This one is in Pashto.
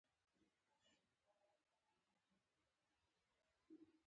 استاد د خپلو شاګردانو غمخور وي.